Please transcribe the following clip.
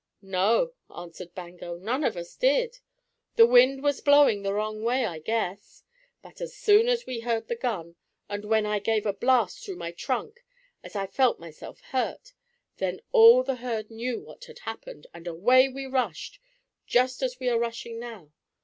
"No," answered Bango, "none of us did. The wind was blowing the wrong way, I guess. But as soon as we heard the gun, and when I gave a blast through my trunk, as I felt myself hurt, then all the herd knew what had happened, and away we rushed, just as we are rushing now.